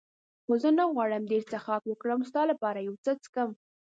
خو زه نه غواړم ډېر څښاک وکړم، ستا لپاره یو څه څښم.